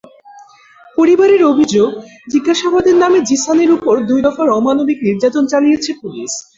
পরিবারের অভিযোগ, জিজ্ঞাসাবাদের নামে জিসানের ওপর দুই দফায় অমানবিক নির্যাতন চালিয়েছে পুলিশ।